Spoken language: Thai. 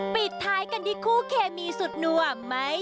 ปิดท้ายกันที่คู่เคมีสุดนัวไหม